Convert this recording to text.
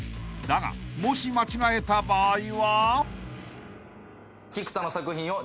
［だがもし間違えた場合は］